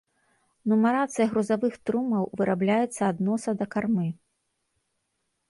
Нумарацыя грузавых трумаў вырабляецца ад носа да кармы.